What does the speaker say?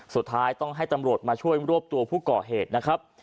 สุดท้ายต้องให้ตำรวจมาช่วยรวบตัวผู้ก่อเหตุนะครับ